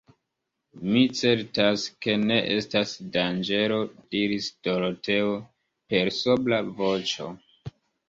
Mi certas ke ne estas danĝero, diris Doroteo, per sobra voĉo.